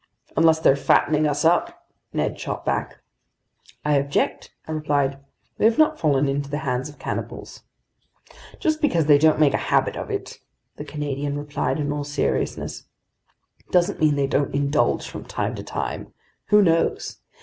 "Unless they're fattening us up!" Ned shot back. "I object," I replied. "We have not fallen into the hands of cannibals." "Just because they don't make a habit of it," the Canadian replied in all seriousness, "doesn't mean they don't indulge from time to time. Who knows?